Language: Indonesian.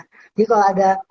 jadi kalau ada